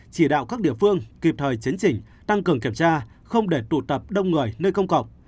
chỉ đạo các địa phương kịp thời chấn chỉnh tăng cường kiểm tra không để tụ tập đông người nơi công cộng